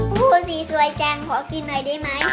พูดดีสวยจังขอกินหน่อยได้ไหม